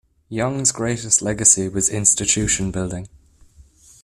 Young's greatest legacy was institution building.